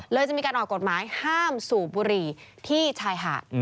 จะมีการออกกฎหมายห้ามสูบบุหรี่ที่ชายหาด